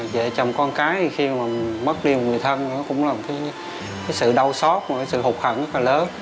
dạy chồng con cái khi mà mất đi một người thân cũng là một cái sự đau xót một cái sự hụt hẳn rất là lớn